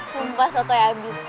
sumpah sotoy abis